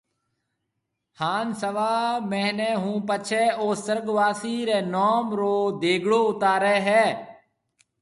ھان سوا مھيَََنيَ ھون پڇيَ او سُرگواسي رَي نوم رو ديگڙيو اُتارَي ھيََََ